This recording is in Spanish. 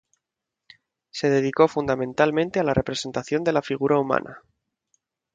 Se dedicó fundamentalmente a la representación de la figura humana.